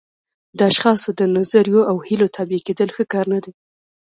د اشخاصو د نظریو او هیلو تابع کېدل ښه کار نه دی.